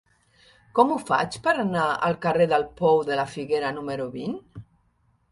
Com ho faig per anar al carrer del Pou de la Figuera número vint?